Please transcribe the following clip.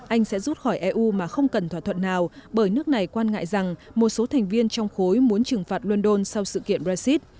anh sẽ rút khỏi eu mà không cần thỏa thuận nào bởi nước này quan ngại rằng một số thành viên trong khối muốn trừng phạt london sau sự kiện brexit